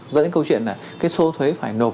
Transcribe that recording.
dẫn đến câu chuyện là cái số thuế phải nộp